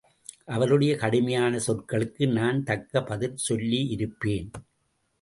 அவருடைய கடுமையான சொற்களுக்கு நான் தக்க பதில் சொல்லியிருப்பேன்.